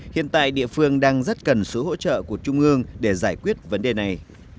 hiện tại địa phương đang rất cần sự hỗ trợ của trung ương để giải quyết vấn đề này